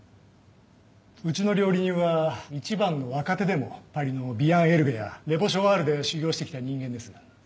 うちの料理人は一番の若手でもパリのビア・エルベやレボショワールで修業してきた人間です。